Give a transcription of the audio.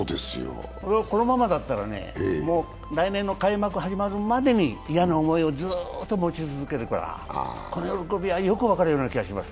このままだったら来年の開幕始まるまでに嫌な思いをずっと持ち続けるからこの喜びはよく分かるような気がします。